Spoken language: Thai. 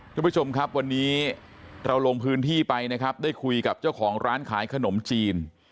ทุกผู้ชมครับวันนี้เราลงพื้นที่ไปนะครับได้คุยกับเจ้าของร้านขายขนมจีน